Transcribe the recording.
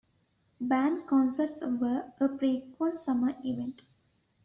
Band concerts were a frequent summer event.